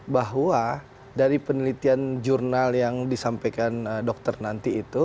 bahwa dari penelitian jurnal yang disampaikan dokter nanti itu